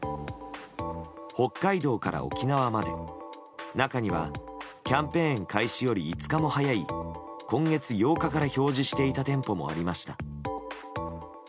北海道から沖縄まで中にはキャンペーン開始より５日も早い今月８日から表示していた店舗もありました。